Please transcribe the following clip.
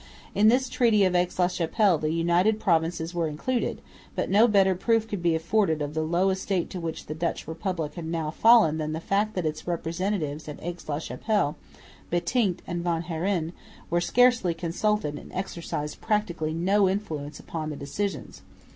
In this treaty of Aix la Chapelle the United Provinces were included, but no better proof could be afforded of the low estate to which the Dutch Republic had now fallen than the fact that its representatives at Aix la Chapelle, Bentinck and Van Haren, were scarcely consulted and exercised practically no influence upon the decisions.